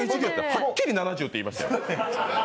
はっきり「７０」って言いましたよ。